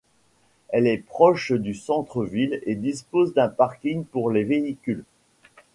Elle est proche du centre ville et dispose d'un parking pour les véhicules.